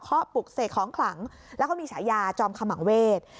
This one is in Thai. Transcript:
เค้าปลุกเสกของขลังแล้วก็มีสายาจอมคำหว่างเวทย์